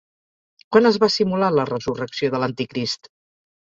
Quan es va simular la resurrecció de l'anticrist?